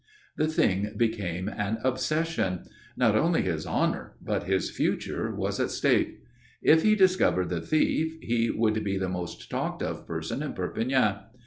The thing became an obsession. Not only his honour but his future was at stake. If he discovered the thief, he would be the most talked of person in Perpignan.